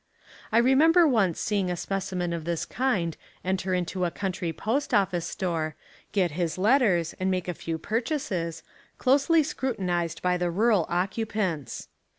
I remember once seeing a specimen of this kind enter into a country post office store, get his let ters, and make a few purchases, closely scru tinised by the rural occupants.